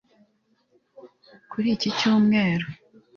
Kuri iki Cyumweru